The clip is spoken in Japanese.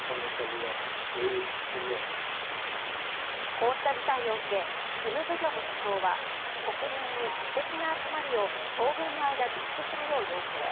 こうした事態を受け、キム・ブギュム首相は国民に私的な集まりを当分の間自粛するよう要請。